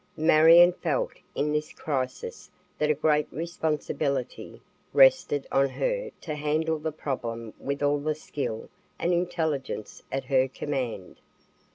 Marion felt in this crisis that a great responsibility rested on her to handle the problem with all the skill and intelligence at her command.